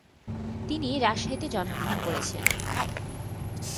তিনি রাজশাহীতে জন্মগ্রহণ করেছেন।